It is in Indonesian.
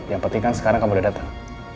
yang penting kan sekarang kamu udah datang